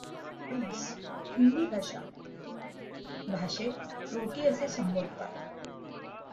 पोळीस हिंदी भाषा भाषेत रोटी असे संबोधतात.